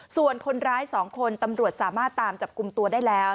ส่วนคนร้าย๒คนตำรวจสามารถตามจับกลุ่มตัวได้แล้ว